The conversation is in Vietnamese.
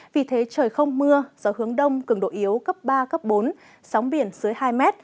vì thế trời không mưa gió hướng đông cường độ yếu cấp ba cấp bốn sóng biển dưới hai m